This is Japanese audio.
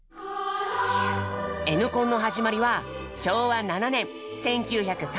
「Ｎコン」の始まりは昭和７年１９３２年。